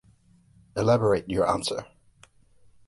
Elaborate your answer.